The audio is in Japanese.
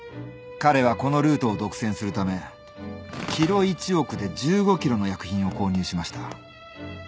彼はこのルートを独占するためｋｇ１億で１５ｋｇの薬品を購入しました。